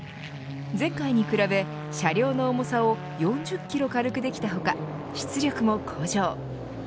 前回に比べ車両の重さを４０キロ軽くできた他出力も向上。